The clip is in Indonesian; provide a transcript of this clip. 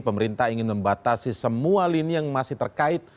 pemerintah ingin membatasi semua lini yang masih terkait